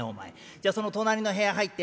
じゃあその隣の部屋入って。